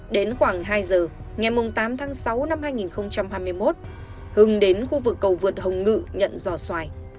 đến khoảng hai giờ ngày tám tháng sáu năm hai nghìn hai mươi một hưng đến khu vực cầu vượt hồng ngự nhận giò xoài